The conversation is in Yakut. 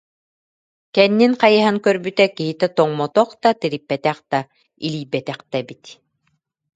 Кэннин хайыһан көрбүтэ киһитэ тоҥмотох да, тириппэтэх да, илийбэтэх да эбит